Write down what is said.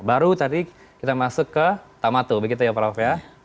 baru tadi kita masuk ke tamatu begitu ya prof ya